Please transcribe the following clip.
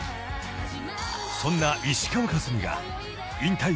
［そんな石川佳純が］